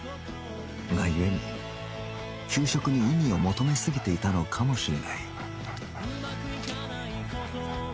が故に給食に意味を求めすぎていたのかもしれない